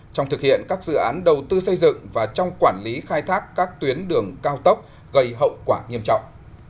trong thực hiện các dự án đầu tư xây dựng và trong quản lý khai thác các tuyến đường cao tốc gây hậu quả nghiêm trọng